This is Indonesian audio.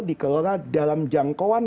dikelola dalam jangkauan